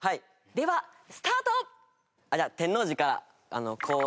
ではスタート！